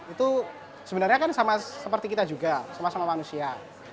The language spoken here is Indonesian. itu sebenarnya kan sama seperti kita juga sama sama manusia